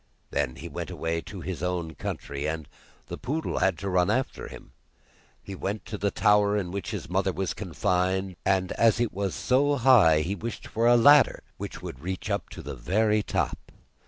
Then he went away to his own country, and the poodle had to run after him. He went to the tower in which his mother was confined, and as it was so high, he wished for a ladder which would reach up to the very top.